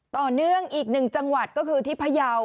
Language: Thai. ต่อเนื่องอีกหนึ่งจังหวัดก็คือที่พยาว